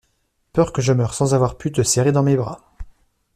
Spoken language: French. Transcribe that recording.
Peur que je meure sans avoir pu te serrer dans mes bras.